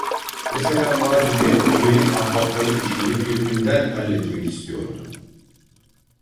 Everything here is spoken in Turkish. Mesela Macide Ömer’in ahbapları işini kökünden halletmek istiyordu.